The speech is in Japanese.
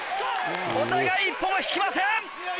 お互い一歩も引きません！